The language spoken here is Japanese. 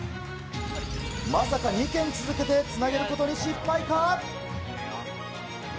まさか２軒続けてつなげることに失敗か。